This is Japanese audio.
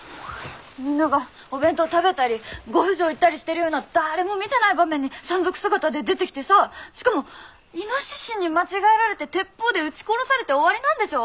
みんながお弁当食べたりご不浄行ったりしてるようなだれも見てない場面に山賊姿で出てきてさしかも猪に間違えられて鉄砲で撃ち殺されて終わりなんでしょ？